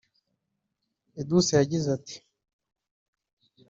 Edouce yagize ati